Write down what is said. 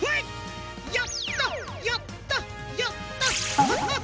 やったやったやったハハハッ！